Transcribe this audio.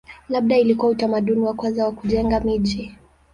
Labda ilikuwa utamaduni wa kwanza wa kujenga miji.